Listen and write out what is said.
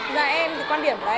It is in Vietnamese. giờ em thì quan điểm là em